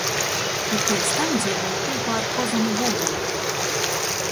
Bet piec tam dzeivoj kūpā ar kozom i gūvem